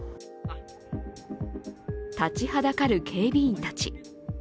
立ちはだかる警備員たち。